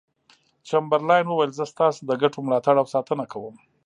چمبرلاین وویل زه ستاسو د ګټو ملاتړ او ساتنه کوم.